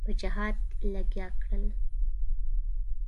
په جهاد لګیا کړل.